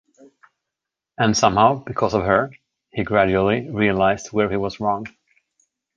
And somehow, because of her, he gradually realised where he was wrong.